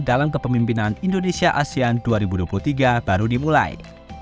dalam kepemimpinan indonesia asean dua ribu dua puluh tiga baru dimulai